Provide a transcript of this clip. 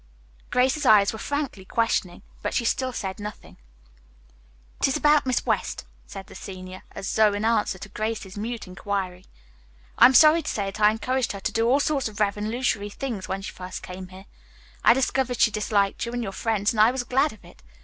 Grace's eyes were frankly questioning, but she still said nothing. "It is about that Miss West," said the senior, as though in answer to Grace's mute inquiry. "I am sorry to say that I encouraged her to do all sorts of revolutionary things when she first came here. I discovered she disliked you and your friends, and I was glad of it.